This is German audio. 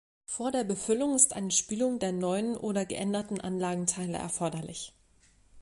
Vor der Befüllung ist eine Spülung der neuen oder geänderten Anlagenteilen erforderlich.